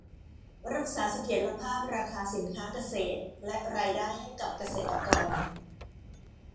รักษาเสถียรภาพราคาสินค้าเกษตรและรายได้ให้กับเกษตรกร